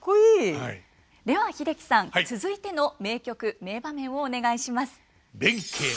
では英樹さん続いての名曲名場面をお願いします。